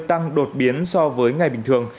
tăng đột biến so với ngày bình thường